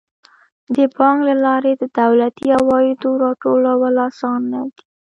د بانک له لارې د دولتي عوایدو راټولول اسانه دي.